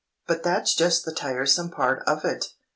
—but that's just the tiresome part of it.